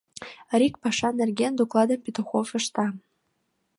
Рик паша нерген докладым Петухов ышта.